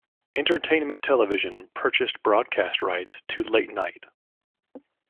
Entertainment Television purchased broadcast rights to "Late Night".